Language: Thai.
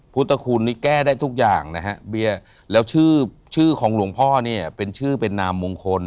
พุทธคุณนี่แก้ได้ทุกอย่างนะฮะเบียร์แล้วชื่อชื่อของหลวงพ่อเนี่ยเป็นชื่อเป็นนามมงคล